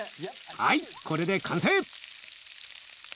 はいこれで完成！